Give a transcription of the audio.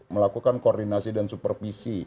melakukan koordinasi dan supervisi